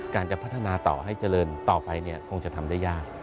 จะพัฒนาต่อให้เจริญต่อไปคงจะทำได้ยาก